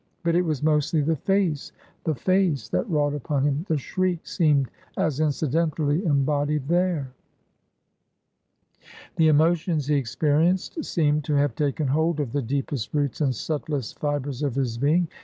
But it was mostly the face the face, that wrought upon him. The shriek seemed as incidentally embodied there. The emotions he experienced seemed to have taken hold of the deepest roots and subtlest fibres of his being.